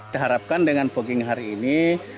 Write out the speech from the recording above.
kita harapkan dengan pogging hari ini